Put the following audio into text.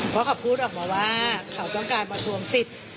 เพราะเขาพูดออกมาว่าเขาต้องการมาทวงสิทธิ์